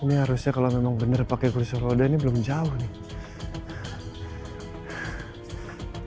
ini harusnya kalau memang bener pakai kursor udah ini belum jauh nih